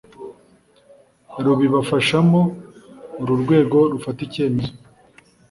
rubibafashamo uru rwego rufata icyemezo